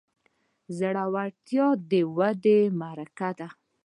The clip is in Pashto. زړورتیا د ودې محرکه ده.